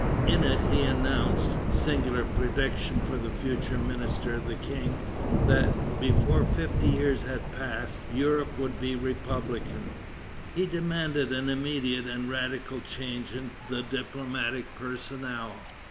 In it he announced (singular prediction for the future minister of a king!) that before fifty years had passed, Europe would be republican. He demanded an immediate and radical change in the diplomatic personnel.